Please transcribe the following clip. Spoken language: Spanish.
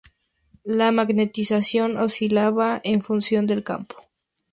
La magnetización oscilaba en función del campo.